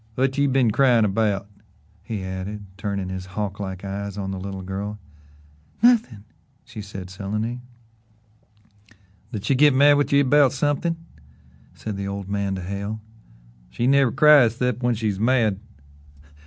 "Whut you been cryin' about?" he added, turning his hawk like eyes on the little girl. "Nothin'," she said sullenly. "Did she git mad with ye 'bout somethin'?" said the old man to Hale. "She never cries 'cept when she's mad."